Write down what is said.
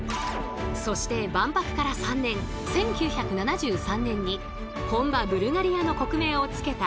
そして万博から３年１９７３年に本場ブルガリアの国名を付けた